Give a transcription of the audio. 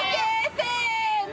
せの！